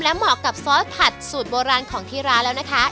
เหมาะกับซอสผัดสูตรโบราณของที่ร้านแล้วนะคะ